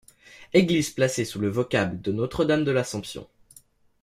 Église placée sous le vocable de Notre Dame de l’Assomption.